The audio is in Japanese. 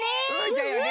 じゃよね！